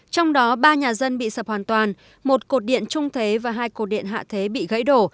trong đó ba nhà dân bị sập hoàn toàn một cột điện trung thế và hai cột điện hạ thế bị gãy đổ